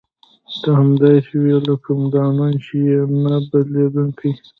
ته همداسې وې لکه همدا نن چې یې نه بدلېدونکې.